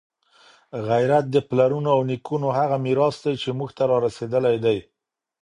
غیرت د پلرونو او نیکونو هغه میراث دی چي موږ ته رارسېدلی دی.